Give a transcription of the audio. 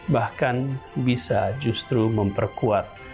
bahkan bisa justru memperkuat